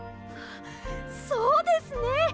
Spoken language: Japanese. そうですね！